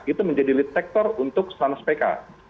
itu menjadi lead sector untuk seratus pk